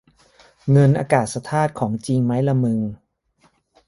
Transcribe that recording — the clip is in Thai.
เงินอากาศธาตุของจริงมั้ยล่ะมึง